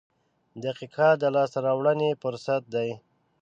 • دقیقه د لاسته راوړنې فرصت دی.